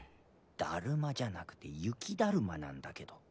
だるまじゃなくて雪だるまなんだけど。